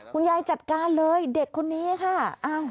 คุณยายจัดการเลยเด็กคนนี้ค่ะ